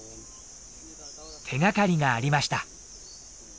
手がかりがありました。